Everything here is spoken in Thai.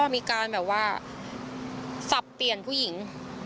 มีการแบบว่าสับเปลี่ยนผู้หญิง